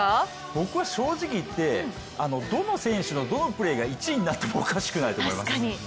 僕は正直言って、どの選手のどのプレーが１位になってもおかしくないと思いますね。